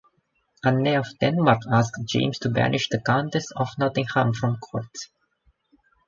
Anne of Denmark asked James to banish the Countess of Nottingham from court.